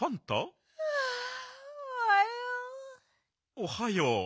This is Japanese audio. おはよう。